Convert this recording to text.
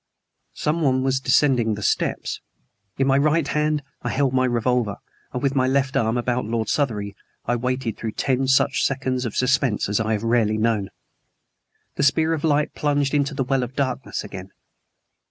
Someone was descending the steps. In my right hand I held my revolver, and with my left arm about Lord Southery, I waited through ten such seconds of suspense as I have rarely known. The spear of light plunged into the well of darkness again.